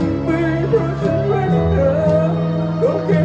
นึกมั้ยดี